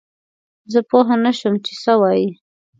زه پوه نه شوم چې څه وايي؟